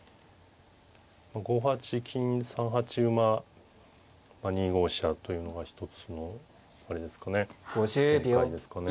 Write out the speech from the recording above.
５八金３八馬２五飛車というのが一つのあれですかね展開ですかね。